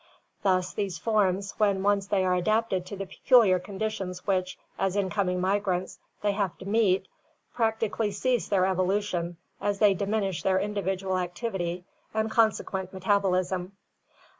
Thus these forms, when once they are adapted to the peculiar conditions which, as incoming migrants, they have to meet, practically cease their evolution as they diminish their individual activity and consequent metabolism.